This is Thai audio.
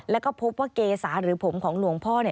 แล้วก็พบว่าเกษาหรือผมของหลวงพ่อ